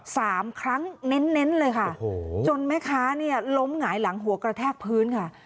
สามครั้งเน้นเน้นเลยค่ะโอ้โหจนแม่ค้าเนี่ยล้มหงายหลังหัวกระแทกพื้นค่ะ